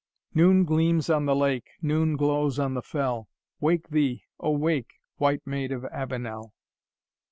"Noon gleams on the Lake Noon glows on the Fell Wake thee, O wake, White Maid of Avenel!"